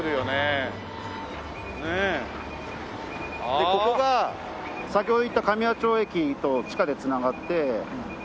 でここが先ほど言った神谷町駅と地下で繋がってお店とか。